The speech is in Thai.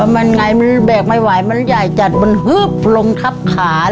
มันไงมันแบกไม่ไหวมันใหญ่จัดมันฮึบลงทับขา